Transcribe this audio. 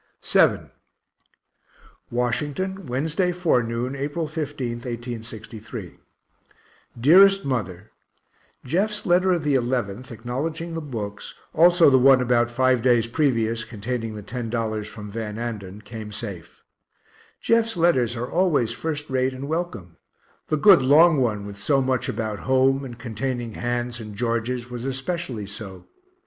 VII Washington, Wednesday forenoon, April 15, 1863. DEAREST MOTHER Jeff's letter of the 11th, acknowledging the books, also the one about five days previous, containing the $10 from Van Anden, came safe. Jeff's letters are always first rate and welcome the good long one with so much about home, and containing Han's and George's, was especially so.